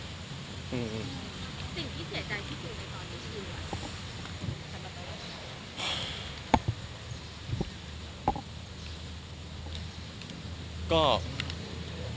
สิ่งที่เสียใจที่สุดในตอนนี้คืออะไร